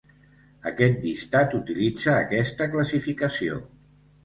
Aquest llistat utilitza aquesta classificació.